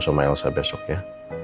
sama elsa besok ya